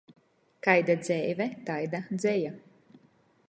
Kaida dzeive, taida dzeja.